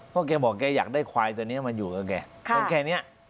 เพราะแกบอกแกอยากได้ควายตัวนี้มาอยู่กับแกแค่นี้